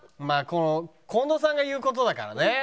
まあこの近藤さんが言う事だからね。